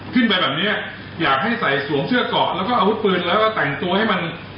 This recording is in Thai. ไปแบบเนี้ยอยากให้ใส่สวมเสื้อเกาะแล้วก็อาวุธปืนแล้วก็แต่งตัวให้มัน